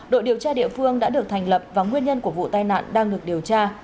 đội điều tra địa phương đã được thành lập và nguyên nhân của vụ tai nạn đang được điều tra